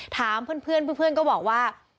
ถามเพื่อนก็บอกว่า